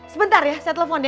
sebentar ya saya telepon dia